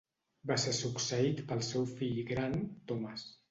Va ser succeït pel seu fill gran, Thomas.